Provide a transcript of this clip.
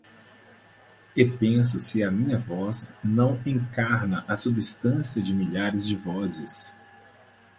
E penso se a minha voz não encarna a substância de milhares de vozes